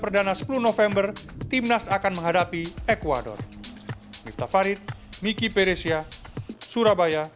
pada laga perdana sepuluh november timnas akan menghadapi ecuador